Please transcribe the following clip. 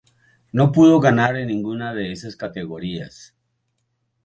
No pudo "ganar" en ninguna de esas categorías.